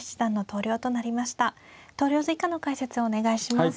投了図以下の解説をお願いします。